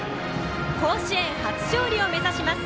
甲子園初勝利を目指します。